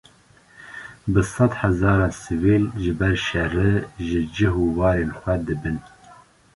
Bi sed hezaran sivîl, ji ber şerê, ji cih û warên xwe dibin